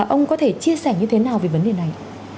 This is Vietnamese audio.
ông có thể chia sẻ như thế nào về vấn đề này ạ